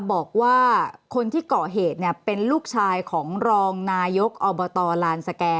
บอกว่าคนที่เกาะเหตุเป็นลูกชายของรองนายกอบตลานสแก่